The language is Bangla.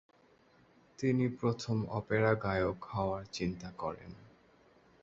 তিনি প্রথম অপেরা গায়ক হওয়ার চিন্তা করেন।